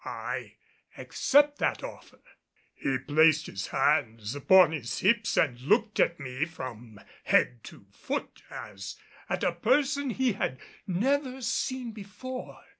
I accept that offer." He placed his hands upon his hips and looked at me from head to foot as at a person he had never seen before.